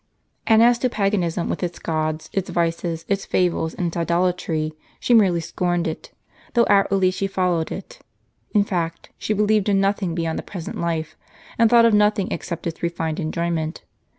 And as to paganism, with its gods, its vices, its fables, and its idolatry, she merely scorned it, though outwardly she followed it. In fact, she believed in nothing beyond the present life, and thought of nothing except its refined enjoyment.